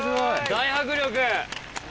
大迫力。